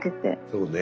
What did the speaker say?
そうね。